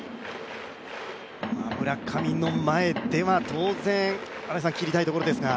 村上の前では当然切りたいところですが。